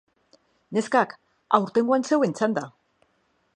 Neskak, aurtengoan zeuon txanda!